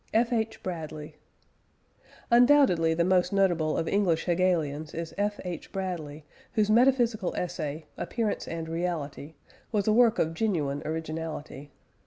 F. H. BRADLEY. Undoubtedly the most notable of English Hegelians is F. H. Bradley, whose metaphysical essay, Appearance and Reality, was a work of genuine originality.